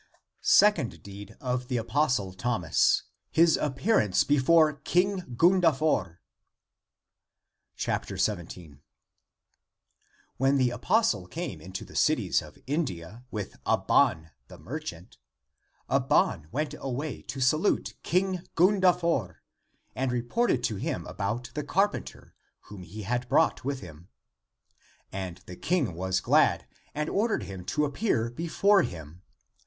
Second Deed of the Apostle Thomas his appearance before king gundafor. (Aa. II, 2, pp. 124 146.) 17. When the apostle came into the cities of India, with Abban the merchant, Abban went away to salute King Gundafor, and reported to him about the carpenter whom he had brought with him. And the King was glad, and ordered him to ap pear before him.